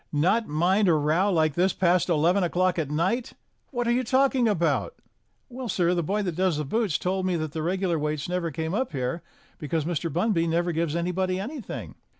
"Not mind a row like this past eleven o'clock at night ! What are you talking about?" "Well, sir, the boy that does the boots told me that the regular waits never came up here, because Mr. Bunby never gives anybody anything."